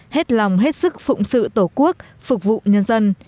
hết lòng hết sức phụng sự tổ quốc phục vụ nhân dân